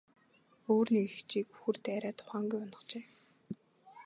Өөр нэг эгчийг үхэр дайраад ухаангүй унагажээ.